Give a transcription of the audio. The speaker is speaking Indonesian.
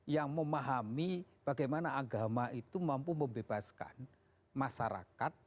yang memahami bagaimana agama itu mampu membebaskan masyarakat